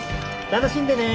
楽しんでね。